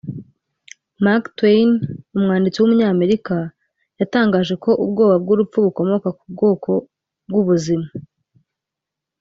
Mark Twain (umwanditsi w’umunyamerika) yatangajeko “Ubwoba bw’urupfu bukomoka k’ubwoba bw’ubuzima